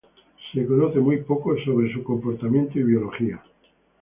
Se conoce muy poco acerca de su comportamiento y biología.